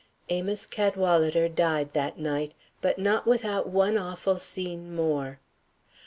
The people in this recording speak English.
Amos Cadwalader died that night; but not without one awful scene more.